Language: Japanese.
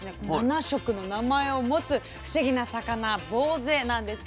七色の名前を持つ不思議な魚ぼうぜなんです